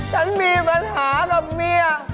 ฉันมีปัญหากับเมีย